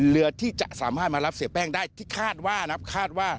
เรือที่จะสามารถมารับเสียแป้งได้ที่คาดว่านะคาดว่า